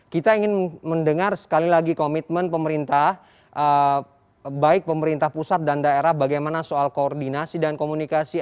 kita ingin mendengar sekali lagi komitmen pemerintah baik pemerintah pusat dan daerah bagaimana soal koordinasi dan komunikasi